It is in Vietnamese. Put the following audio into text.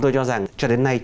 tôi cho rằng cho đến nay